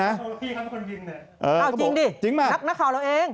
นับงานของเราเอง